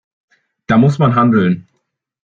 Da muss man handeln.